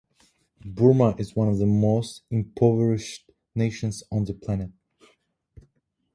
Burma is one of the most impoverished nations on the planet.